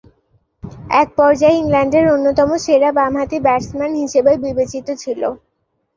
একপর্যায়ে ইংল্যান্ডের অন্যতম সেরা বামহাতি ব্যাটসম্যান হিসেবে বিবেচিত ছিল।